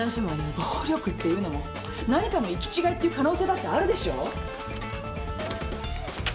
暴力っていうのも何かの行き違いっていう可能性だってあるでしょう？